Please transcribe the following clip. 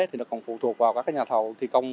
thì nó còn phụ thuộc vào các nhà thầu thi công